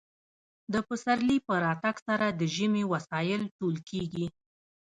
د پسرلي په راتګ سره د ژمي وسایل ټول کیږي